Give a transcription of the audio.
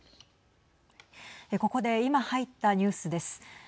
ここで今入ったニュースです。